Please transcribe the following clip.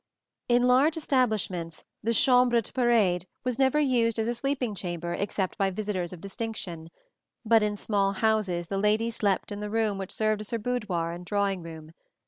In large establishments the chambre de parade was never used as a sleeping chamber except by visitors of distinction; but in small houses the lady slept in the room which served as her boudoir and drawing room.